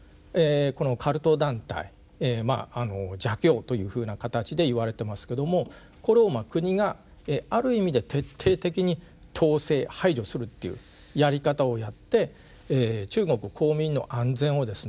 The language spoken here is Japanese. カルト団体まあ邪教というふうな形でいわれてますけどもこれを国がある意味で徹底的に統制排除するっていうやり方をやって中国公民の安全をですね